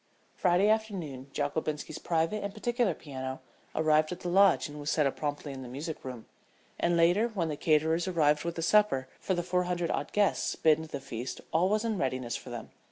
Friday afternoon Jockobinski's private and particular piano arrived at the Lodge and was set up promptly in the music room, and later when the caterers arrived with the supper for the four hundred odd guests bidden to the feast all was in readiness for them.